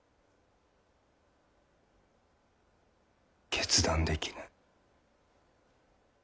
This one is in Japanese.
決断できぬ。